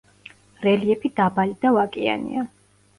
რელიეფი დაბალი და ვაკიანია.